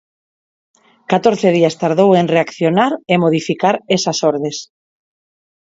Catorce días tardou en reaccionar e modificar esas ordes.